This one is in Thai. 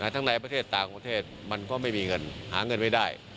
ทั้งในประเทศต่างประเทศมันก็ไม่มีเงินหาเงินไม่ได้